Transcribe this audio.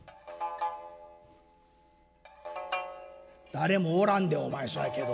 「誰もおらんでお前そやけど。